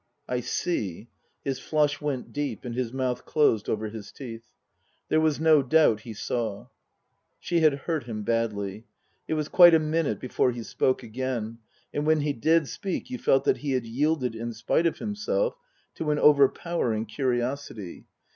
" I see." His flush went deep, and his mouth closed over his teeth. There was no doubt he saw. She had hurt him badly. It was quite a minute before he spoke again, and when he did speak you felt that he had yielded, in spite of himself, to an overpowering curiosity.